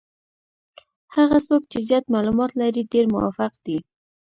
هغه څوک چې زیات معلومات لري ډېر موفق دي.